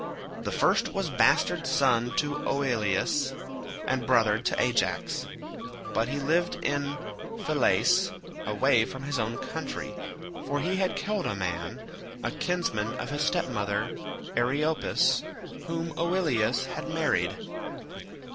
The first was bastard son to Oileus, and brother to Ajax, but he lived in Phylace away from his own country, for he had killed a man, a kinsman of his stepmother Eriopis whom Oileus had married.